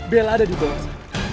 bella ada di bawah sana